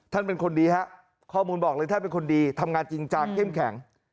เป็นคนดีฮะข้อมูลบอกเลยท่านเป็นคนดีทำงานจริงจังเข้มแข็ง